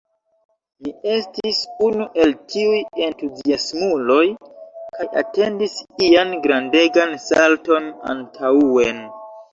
Mi estis unu el tiuj entuziasmuloj kaj atendis ian “grandegan salton antaŭen”.